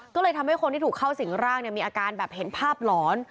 ก็เลยทำให้คนที่ถูกเข้าสิ่งร่างมีอาการแบบเห็นภาพหลอน